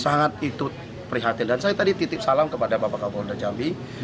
sangat ikut prihatin dan saya tadi titip salam kepada bapak kapolda jambi